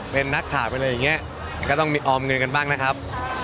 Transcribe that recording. เป็นนักข่าวเป็นอะไรอย่างนี้ก็ต้องมีออมเงินกันบ้างนะครับ